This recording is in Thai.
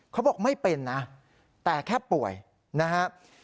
เขาบอกไม่เป็นนะแต่แค่ป่วยนะครับ